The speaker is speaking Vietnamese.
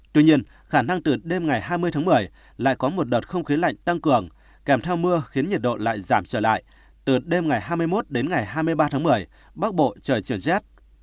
tuy nhiên khả năng từ đêm ngày hai mươi tháng một mươi lại có một đợt không khí lạnh tăng cường kèm theo mưa khiến nhiệt độ lại giảm trở lại từ đêm ngày hai mươi một đến ngày hai mươi ba tháng một mươi bắc bộ trời chuyển rét